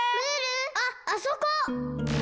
あっあそこ！